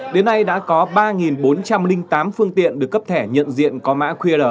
đến nay đã có ba bốn trăm linh tám phương tiện được cấp thẻ nhận diện có mã qr